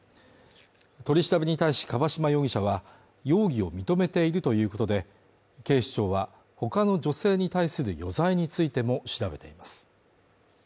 取り調べに対し樺島容疑者は容疑を認めているということで、警視庁は他の女性に対する余罪についても調べています。